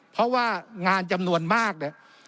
เพราะว่างานจำนวนมากเนี่ย